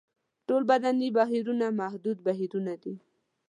ټول بدني بهیرونه محدود بهیرونه دي.